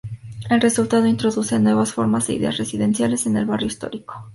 El resultado, introduce nuevas formas e ideas residenciales en el barrio histórico.